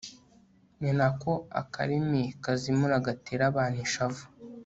ni na ko akarimi kazimura gatera abantu ishavu